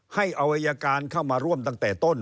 ให้เอายาการเข้ามาร่วมตั้งแต่ต้น